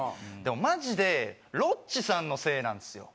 マジでロッチさんのせいなんですよ